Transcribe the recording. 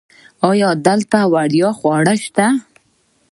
ایا دلته وړیا خواړه شته؟